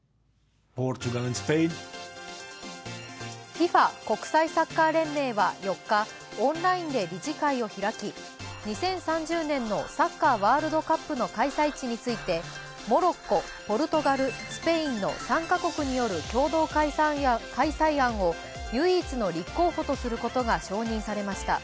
ＦＩＦＡ＝国際サッカー連盟は４日、オンラインで理事会を開き２０３０年のサッカーワールドカップの開催地について、モロッコ、ポルトガル、スペインの３か国による共同開催案を唯一の立候補とすることが承認されました。